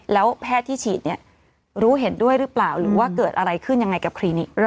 แล้วแพทย์ที่ฉีดเนี่ยรู้เห็นด้วยหรือเปล่าหรือว่าเกิดอะไรขึ้นยังไงกับคลินิก